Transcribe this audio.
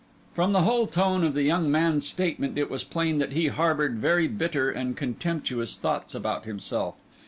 From the whole tone of the young man's statement it was plain that he harboured very bitter and contemptuous thoughts about himself.